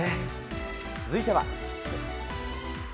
続いては。